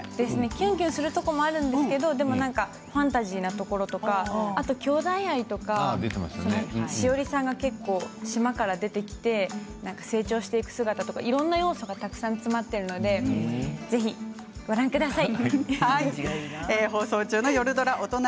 きゅんきゅんするところもあるんですけれどもファンタジーもあと、きょうだい愛とかしおりさんが島から出てきて成長していく姿とかいろいろな要素が詰まって放送中ですのでぜひご覧ください。